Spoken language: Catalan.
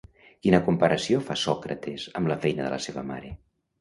Quina comparació fa Sòcrates amb la feina de la seva mare?